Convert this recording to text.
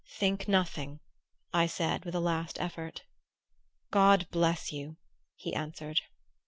"Think nothing," I said with a last effort. "God bless you!" he answered.